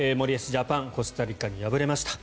ジャパンコスタリカに敗れました。